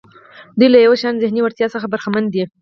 دوی له یو شان ذهني وړتیا څخه برخمن دي.